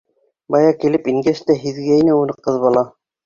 Бая килеп ингәс тә һиҙгәйне уны ҡыҙ бала.